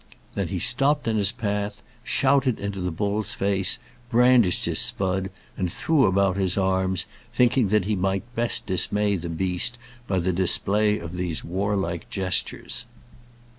Then he stopped in his path, shouted into the bull's face, brandished his spud, and threw about his arms, thinking that he might best dismay the beast by the display of these warlike gestures.